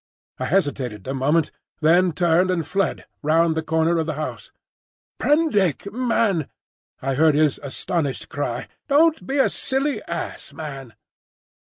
I hesitated a moment, then turned and fled, round the corner of the house. "Prendick, man!" I heard his astonished cry, "don't be a silly ass, man!"